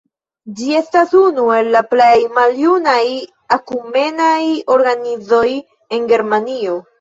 Ĝi estas unu el la plej maljunaj ekumenaj organizoj en Germanio.